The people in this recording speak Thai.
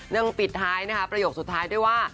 ยังปิดท้ายนะคะประโยคสุดท้ายด้วยว่า